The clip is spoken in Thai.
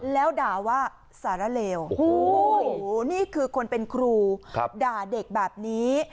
แล้วด่าว่าสาระเลวนี่คือคนเป็นครูด่าเด็กแบบนี้